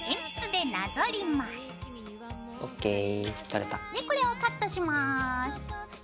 でこれをカットします。